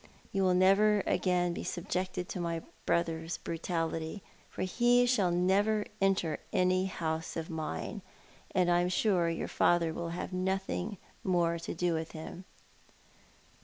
You will never agaiu be subjected to my brother's brutality, for he shall never enter any house of mine, and I am sure your father will have nothing more to do with him."